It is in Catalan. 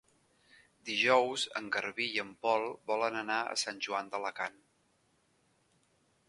Dijous en Garbí i en Pol volen anar a Sant Joan d'Alacant.